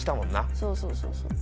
そうそうそうそう。